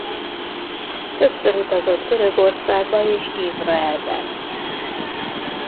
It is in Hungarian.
Többször utazott Görögországba és Izraelbe.